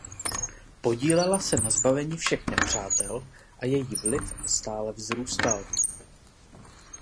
Podílela se na zbavení všech nepřátel a její vliv stále vzrůstal.